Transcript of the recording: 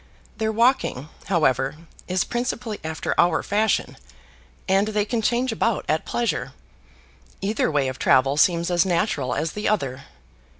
Their walking, however, is principally after our fashion, and they can change about at pleasure. Either way of travel seems as natural as the other.